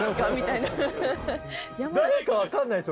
誰か分かんないです